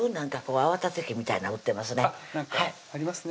泡立て器みたいなん売ってますねありますね